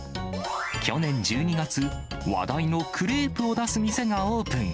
去年１２月、話題のクレープを出す店がオープン。